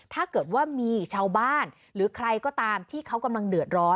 ถ้าเกิดว่ามีชาวบ้านหรือใครก็ตามที่เขากำลังเดือดร้อน